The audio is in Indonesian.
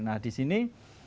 nah di sini